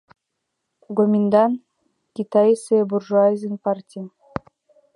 Гоминдан — Китайысе буржуазный партий.